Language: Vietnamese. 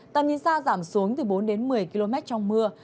tầm nhìn xa giảm xuống từ bốn đến một mươi km trong mưa